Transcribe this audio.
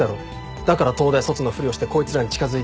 だから東大卒のふりをしてこいつらに近づいて。